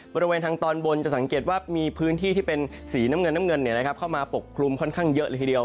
บริเวณทางตอนบนจะสังเกตว่ามีพื้นที่ที่เป็นสีน้ำเงินน้ำเงินเข้ามาปกคลุมค่อนข้างเยอะเลยทีเดียว